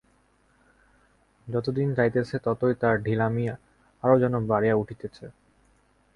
যত দিন যাইতেছে ততই তার ঢিলামি আরো যেন বাড়িয়া উঠিতেছে।